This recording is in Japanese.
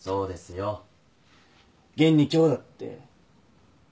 現に今日だって。